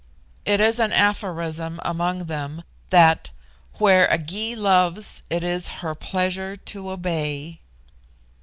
It is an aphorism among them, that "where a Gy loves it is her pleasure to obey."